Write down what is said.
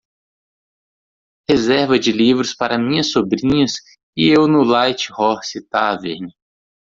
Reserva de livros para minhas sobrinhas e eu no Light Horse Tavern